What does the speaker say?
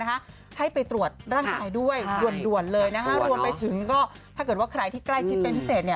ให้ไปตรวจร่างกายด้วยด่วนเลยนะฮะรวมไปถึงก็ถ้าเกิดว่าใครที่ใกล้ชิดเป็นพิเศษ